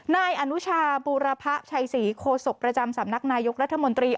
นายอนุชาบูรพะชัยศรีโคศกประจำสำนักนายกรัฐมนตรี